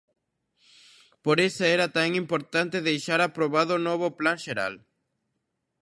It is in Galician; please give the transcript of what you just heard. Por iso era tan importante deixar aprobado o novo Plan Xeral.